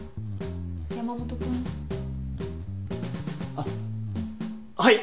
あっはい！